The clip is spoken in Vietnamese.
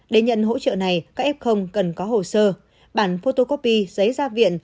để nhận hỗ trợ này các f cần có hồ sơ bản photocopy giấy gia viện